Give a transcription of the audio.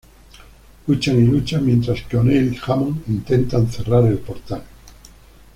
Luchan y luchan mientras que O'Neill y Hammond intentan cerrar el Portal.